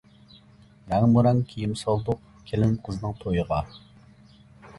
رەڭمۇ رەڭ كىيىم سالدۇق، كېلىن قىزنىڭ تويىغا.